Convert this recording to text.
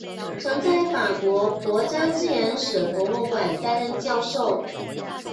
曾在法国国家自然史博物馆担任教授。